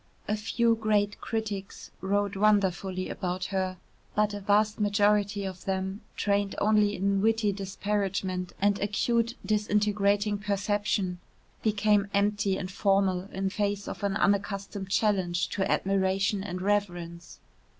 A few great critics wrote wonderfully about her, but a vast majority of them, trained only in witty disparagement and acute disintegrating perception, became empty and formal in face of an unaccustomed challenge to admiration and reverence.